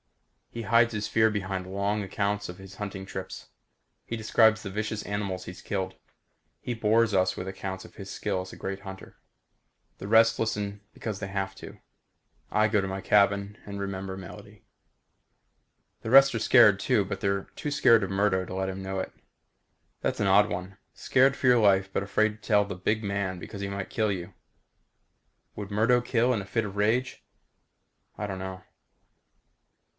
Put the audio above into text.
He hides his fear behind long accounts of his hunting trips. He describes the vicious animals he's killed. He bores us with accounts of his skill as a great hunter. The rest listen because they have to. I go to my cabin and remember Melody. The rest are scared too, but they're too scared of Murdo to let him know it. That's an odd one. Scared for your life but afraid to tell the big man because he might kill you. Would Murdo kill in a fit of rage? I don't know.